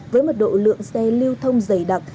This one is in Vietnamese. với một độ lượng xe lưu thông dày đặc